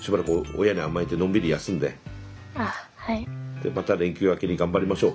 でまた連休明けに頑張りましょう。